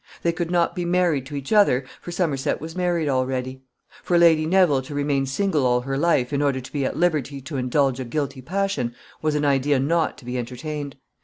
They could not be married to each other, for Somerset was married already. For Lady Neville to remain single all her life in order to be at liberty to indulge a guilty passion was an idea not to be entertained.